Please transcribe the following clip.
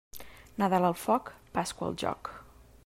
Nadal al foc, Pasqua al joc.